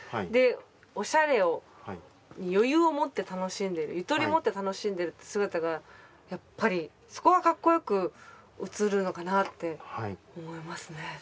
でおしゃれを余裕を持って楽しんでるゆとり持って楽しんでるって姿がやっぱりそこがかっこよく映るのかなって思いますね。